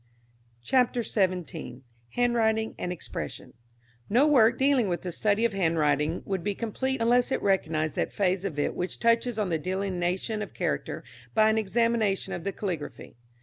CHAPTER XVII. HANDWRITING AND EXPRESSION. No work dealing with the study of handwriting would be complete unless it recognised that phase of it which touches on the delineation of character by an examination of the caligraphy.